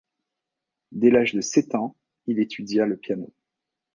Dès l’âge de sept ans, il étudia le piano.